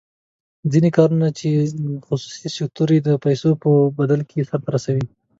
ځینې کارونه چې خصوصي سکتور یې د پیسو په بدل کې سر ته رسوي.